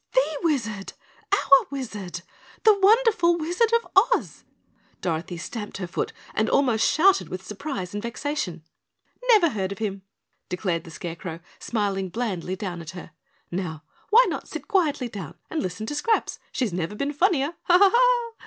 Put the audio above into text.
"THE Wizard, OUR Wizard, the wonderful Wizard of Oz." Dorothy stamped her foot and almost shouted with surprise and vexation. "Never heard of him," declared the Scarecrow, smiling blandly down at her. "Now, why not sit quietly down and listen to Scraps? She's never been funnier. Ha! Ha! Ha!